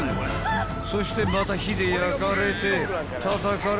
［そしてまた火で焼かれてたたかれる］